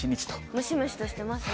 ムシムシとしてますね。